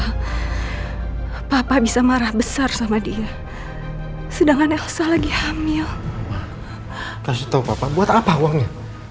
hai papa bisa marah besar sama dia sedangkan elsa lagi hamil kasih tahu apa buat apa uangnya